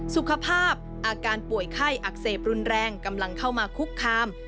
สุขภาพอาการป่วยไข้อักเสบรุนแรงกำลังเข้ามาคุกคาม